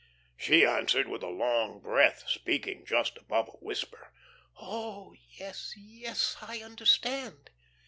She answered with a long breath, speaking just above a whisper: "Oh, yes, yes, I understand."